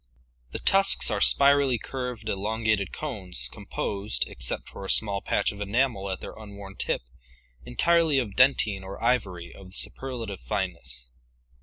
The tusks are spirally curved, elongated cones composed, ex cept for a small patch of enamel at their unworn tip, entirely of dentine or ivory of superlative fineness.